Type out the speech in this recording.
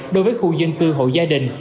đối với khu dân cư hộ gia đình